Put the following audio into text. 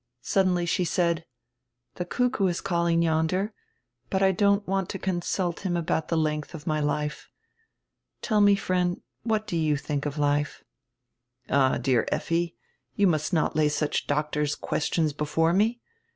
Suddenly she said: "The cuckoo is calling yonder, but I don't want to consult him about die lengdi of my life. Tell me, friend, what do you diink of life?" "All, dear Effi, you must not lay such doctors' questions before me.